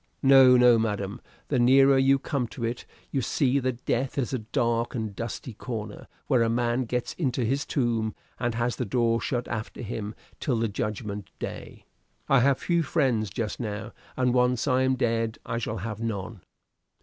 No, no, madam, the nearer you come to it, you see that death is a dark and dusty corner, where a man gets into his tomb and has the door shut after him till the judgment day. I have few friends just now, and once I am dead I shall have none."